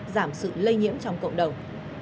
giảm sự lây nhiễm trong cộng đồng